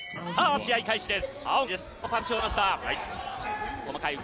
試合開始です。